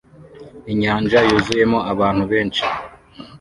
Inyanja yuzuyemo abantu benshi